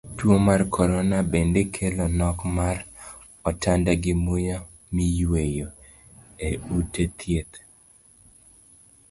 Tuo mar korona bende kelo nok mar otanda gi muya miyueyo e ute dhieth